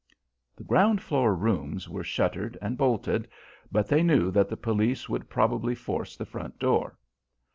The ground floor rooms were shuttered and bolted, but they knew that the police would probably force the front door.